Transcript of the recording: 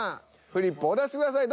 フリップお出しください